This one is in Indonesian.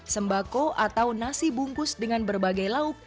sembako atau nasi bungkus dengan berbagai lauk